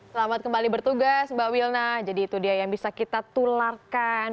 selamat kembali bertugas mbak wilna jadi itu dia yang bisa kita tularkan